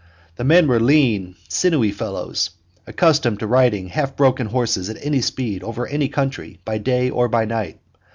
The men were lean, sinewy fellows, accustomed to riding half broken horses at any speed over any country by day or by night.